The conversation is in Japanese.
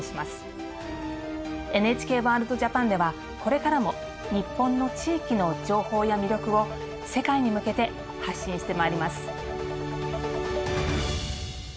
「ＮＨＫワールドＪＡＰＡＮ」ではこれからも日本の地域の情報や魅力を世界に向けて発信してまいります。